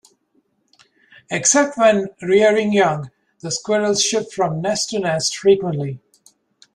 Except when rearing young, the squirrels shift from nest to nest frequently.